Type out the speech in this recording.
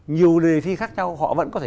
nhiều đề thi khác nhau họ vẫn có thể